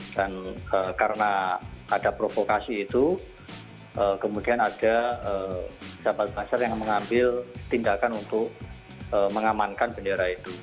dan karena ada provokasi itu kemudian ada sahabat sahabat yang mengambil tindakan untuk mengamankan bendera itu